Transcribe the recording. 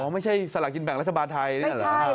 ไม่ใช่สละกินแบ่งรัฐบาลไทยเนี่ยเหรอ